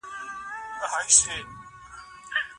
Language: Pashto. یو څه پوه یو